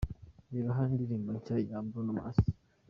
Reba hano indirimbo nshya ya Bruno Mars:.